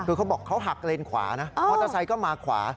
คือเขาบอกเขาหักเลนขวานะมอเตอร์ไซค์ก็มาขวา